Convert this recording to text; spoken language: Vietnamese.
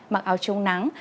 mặc áo trồng nắng